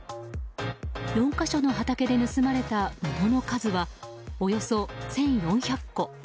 ４か所の畑で盗まれた桃の数はおよそ１４００個。